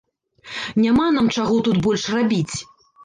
Няма нам чаго тут больш рабіць!